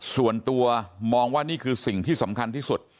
ส่วนตัวมองว่านี่คือสิ่งที่สำคัญที่สุด